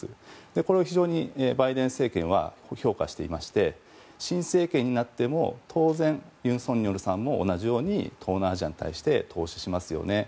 これを非常にバイデン政権は評価していまして新政権になっても当然、尹錫悦さんも同じように、東南アジアに対して投資しますよね？